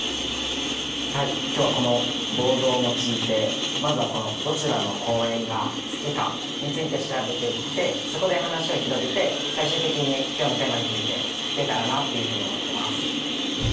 はい今日はこのボードを用いてまずはこのどちらの公園が好きかについて調べていってそこで話を広げて最終的に今日のテーマについて聞けたらなっていうふうに思ってます。